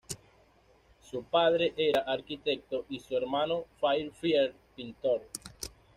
Su padre era arquitecto y su hermano Fairfield pintor.